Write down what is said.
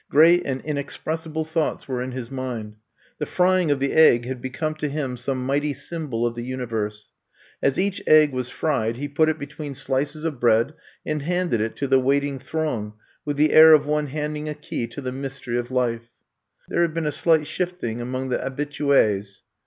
Great and inex pressible thoughts were in his mind. The frying of the egg had become to him some mighty symbol of the universe. As each egg was fried he put it between sUces of I'VE COME TO STAY 109 bread and handed it to the waiting throng with the air of one handing a key to the mystery of life. There had been a slight shifting among the habitues.